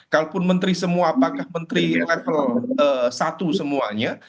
kalaupun menteri semua apakah menteri level satu semuanya